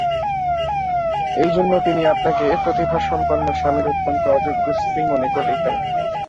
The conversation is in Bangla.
এইজন্য তিনি আপনাকে প্রতিভাসম্পন্ন স্বামীর অত্যন্ত অযোগ্য স্ত্রী মনে করিতেন।